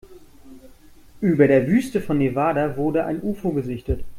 Über der Wüste von Nevada wurde ein Ufo gesichtet.